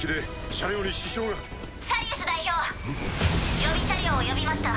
予備車両を呼びました。